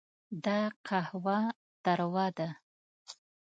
دا قهوه تروه ده.